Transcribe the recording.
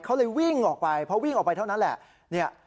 เขาเลยวิ่งออกไปเพราะวิ่งออกไปเท่านั้นแหละ